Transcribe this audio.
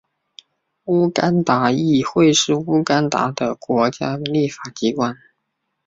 乌干达议会是乌干达的国家立法机关。